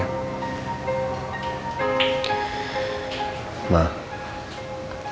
aku minta mama tenang ya